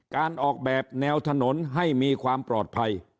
การออกแบบแนวถนนให้มีความปลอดภัย